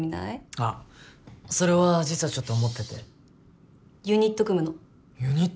あっそれは実はちょっと思っててシーッユニット組むのユニット？